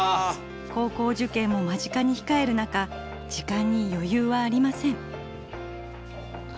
高校受験も間近にひかえる中時間に余裕はありません。